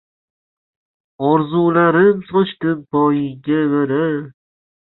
Orzularim sochdim poyingga, mana